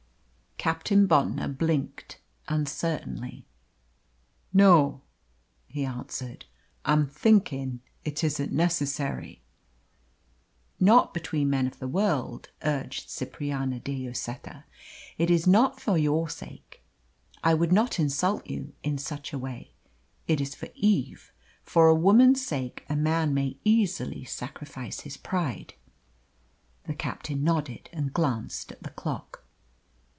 Captain Bontnor blinked uncertainly. "No," he answered, "I'm thinkin' it isn't necessary." "Not between men of the world," urged Cipriani de Lloseta. "It is not for your sake. I would not insult you in such a way. It is for Eve. For a woman's sake a man may easily sacrifice his pride." The captain nodded and glanced at the clock.